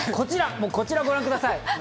もうこちらをご覧ください。